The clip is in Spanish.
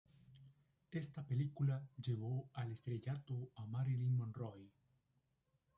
Ésta película llevó al estrellato a Marilyn Monroe.